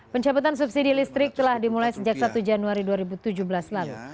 pencabutan subsidi listrik telah dimulai sejak satu januari dua ribu tujuh belas lalu